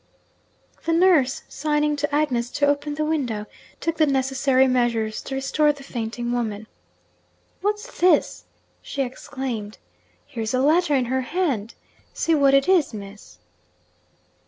The nurse, signing to Agnes to open the window, took the necessary measures to restore the fainting woman. 'What's this?' she exclaimed. 'Here's a letter in her hand. See what it is, Miss.'